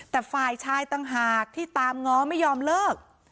แต่ฝ่ายชายต่างหากที่ตามง้อไม่ยอมเลิก